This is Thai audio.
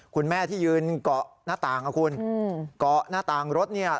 คุณแม่ที่ยืนเกาะหน้าต่างอ่ะคุณเกาะหน้าต่างรถเนี่ย